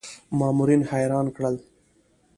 مامورین حیران کړل.